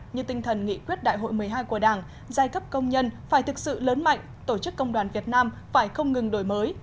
như tinh thần nghị quyết đại hội một mươi hai của đảng giai cấp công nhân phải thực sự lớn mạnh tổ chức công đoàn việt nam phải không ngừng đổi mới